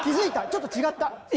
ちょっと違った。